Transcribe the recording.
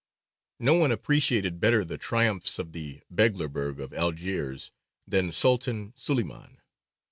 No one appreciated better the triumphs of the Beglerbeg of Algiers than Sultan Suleymān.